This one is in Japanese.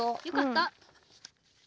よかった。